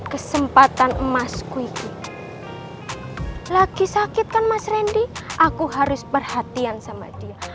kesempatan emas ku ini lagi sakit kan mas rendy aku harus perhatian sama dia